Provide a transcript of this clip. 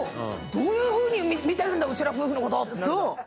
どういうふうに見てるんだ、うちら夫婦のこと！ってなる。